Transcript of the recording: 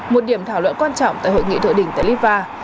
một điểm thảo luận quan trọng tại hội nghị thượng đỉnh tại litva